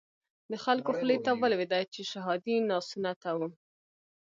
د خلکو خولو ته ولويده چې شهادي ناسنته وو.